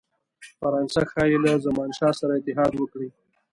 فرانسه ښايي له زمانشاه سره اتحاد وکړي.